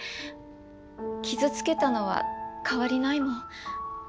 傷つけたのは変わりないもん。